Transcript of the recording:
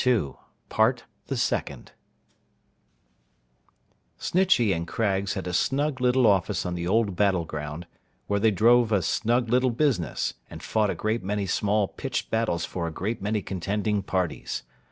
Part the Second SNITCHEY AND CRAGGS had a snug little office on the old Battle Ground, where they drove a snug little business, and fought a great many small pitched battles for a great many contending parties.